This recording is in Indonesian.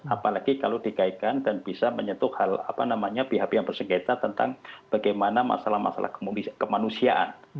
apalagi kalau dikaitkan dan bisa menyentuh pihak pihak yang bersengketa tentang bagaimana masalah masalah kemanusiaan